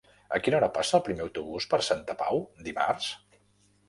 A quina hora passa el primer autobús per Santa Pau dimarts?